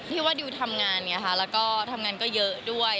ที่ว่าดิวทำงานไงค่ะแล้วก็ทำงานก็เยอะด้วย